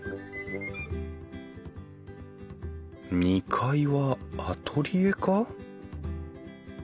２階はアトリエか？